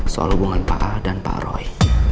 soal hubungan pak dan pak roy